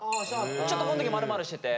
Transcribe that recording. ちょっとこん時丸々してて。